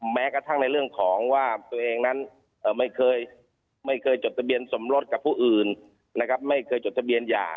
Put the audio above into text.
แม้กระทั่งในเรื่องของว่าตัวเองนั้นไม่เคยจดทะเบียนสมรสกับผู้อื่นนะครับไม่เคยจดทะเบียนหย่า